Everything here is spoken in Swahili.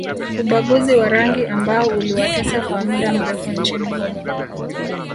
Ubaguzi wa rangi ambao uliwatesa kwa mda mrefu nchini humo